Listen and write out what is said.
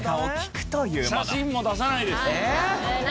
写真も出さないです。